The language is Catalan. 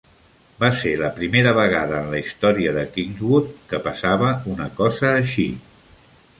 Va ser la primera vegada en la història de Kingswood que passava una cosa així.